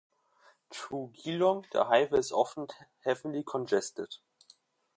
Through Geelong the highway is often heavily congested.